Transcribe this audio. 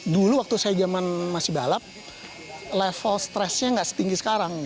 dulu waktu saya zaman masih balap level stresnya nggak setinggi sekarang